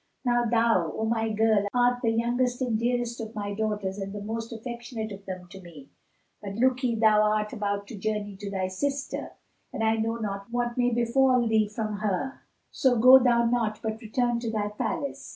Now thou, O my girl, art the youngest and dearest of my daughters and the most affectionate of them to me, and look'ye thou art about to journey to thy sister, and I know not what may befal thee from her; so go thou not; but return to thy palace."